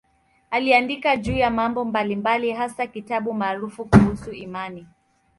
Aliandika juu ya mambo mbalimbali, hasa kitabu maarufu kuhusu imani.